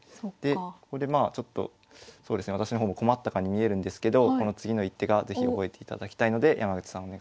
ここでまあちょっと私の方も困ったかに見えるんですけどこの次の一手が是非覚えていただきたいので山口さんお願いします。